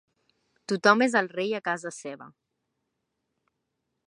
Tothom és el rei a casa seva.